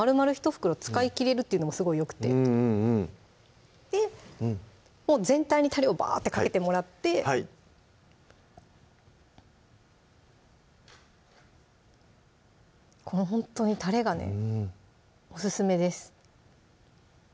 袋使いきれるってのもすごいよくてで全体にたれをバーッてかけてもらってこれほんとにたれがねオススメです